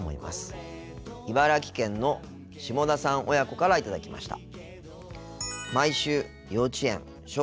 茨城県の下田さん親子から頂きました。